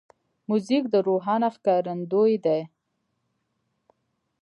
موزیک د روحانه ښکارندوی دی.